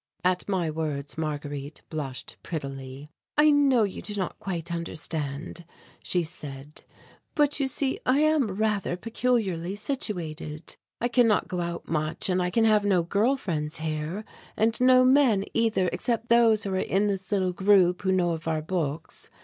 At my words Marguerite blushed prettily. "I know you do not quite understand," she said, "but you see I am rather peculiarly situated. I cannot go out much, and I can have no girl friends here, and no men either except those who are in this little group who know of our books.